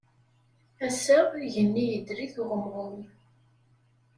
Ass-a, igenni idel-it uɣemɣum.